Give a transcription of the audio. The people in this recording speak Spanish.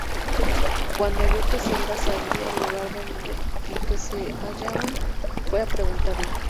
Cuando oyó que Zelda sabía el lugar en que se hallaban, fue a preguntarle.